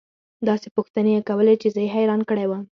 داسې پوښتنې يې كولې چې زه يې حيران كړى وم.